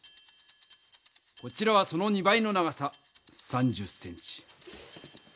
こちらはその２倍の長さ３０ｃｍ。